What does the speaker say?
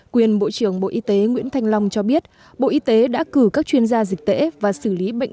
quyền bộ trưởng bộ y tế nguyễn thanh long cho biết bộ y tế đã cử các chuyên gia dịch tễ và xử lý bệnh